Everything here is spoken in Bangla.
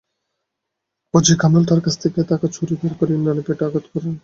একপর্যায়ে কামরুল তাঁর কাছে থাকা ছুরি বের করে ইমরানের পেটে আঘাত করেন।